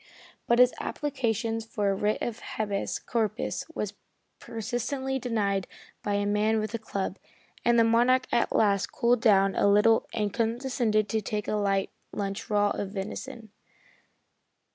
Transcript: But his applications for a writ of habeas corpus were persistently denied by a man with a club, and the Monarch at last cooled down a little and condescended to take a light lunch of raw venison.